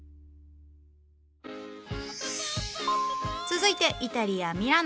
続いてイタリアミラノ。